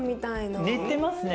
似てますね。